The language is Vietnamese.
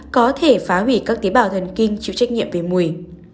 có thể phá hủy các tế bào thần kinh chịu trách nhiệm về mùi